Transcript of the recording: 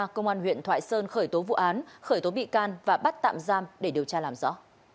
công an huyện thoại sơn khởi tố vụ án khởi tố bị can và bắt tạm giam để điều tra làm rõ